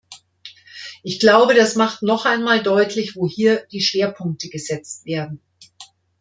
Ich glaube, das macht noch einmal deutlich, wo hier die Schwerpunkte gesetzt werden.